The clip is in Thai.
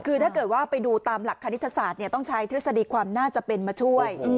คือถ้าเกิดว่าไปดูตามหลักคณิตศาสตร์ต้องใช้ทฤษฎีความน่าจะเป็นมาช่วย